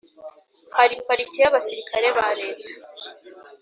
Hari parike y abasirikare ba leta